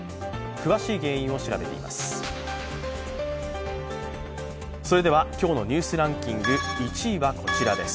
詳しい原因を調べています。